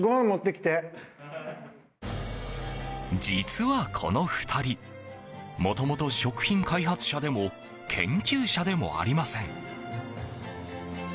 実は、この２人もともと食品開発者でも研究者でもありません。